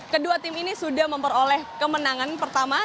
kedua tim ini sudah memperoleh kemenangan pertama